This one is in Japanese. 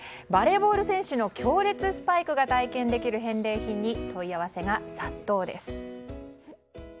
バレーボール選手の強烈スパイクが体験できる返礼品に問い合わせが殺到です。